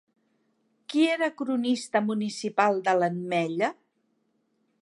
Qui era cronista municipal de l'Ametlla?